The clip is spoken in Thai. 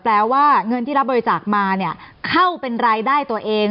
ว่าเงินที่รับบริจาคมาเนี่ยเข้าเป็นรายได้ตัวเอง